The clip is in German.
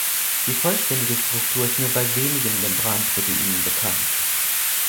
Die vollständige Struktur ist nur bei wenigen Membranproteinen bekannt.